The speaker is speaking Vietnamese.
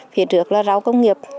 phía trước là ráo công nghiệp